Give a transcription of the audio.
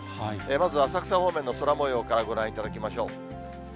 まずは浅草方面の空もようからご覧いただきましょう。